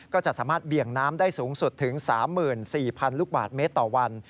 ก็จะสามารถเบี่ยงน้ำได้สูงสุดถึง๓๔๐๐๐ลูกบาทเมตรต่อวัน